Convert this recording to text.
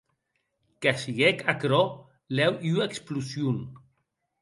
Que siguec aquerò lèu ua explossion.